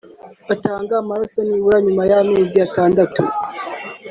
batanga amaraso nibura nyuma y’amezi atandatu